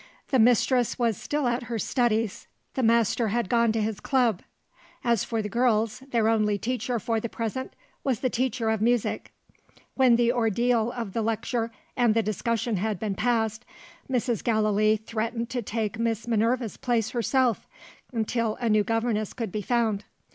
The mistress was still at her studies; the master had gone to his club. As for the girls, their only teacher for the present was the teacher of music. When the ordeal of the lecture and the discussion had been passed, Mrs. Gallilee threatened to take Miss Minerva's place herself, until a new governess could be found.